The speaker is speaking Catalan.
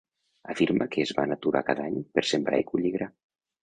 Afirma que es van aturar cada any per sembrar i collir gra.